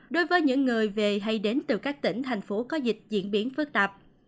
đối với những người về hay đến từ các tỉnh thành phố có dịch diễn biến phức tạp